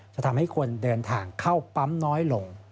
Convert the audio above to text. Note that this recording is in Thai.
จะทำให้คนเดินทางเข้าปั๊มน้อยลง